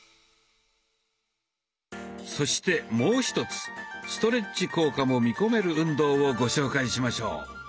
そしてもう一つストレッチ効果も見込める運動をご紹介しましょう。